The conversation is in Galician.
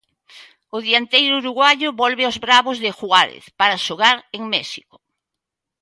O dianteiro uruguaio volve aos Bravos de Juárez para xogar en México.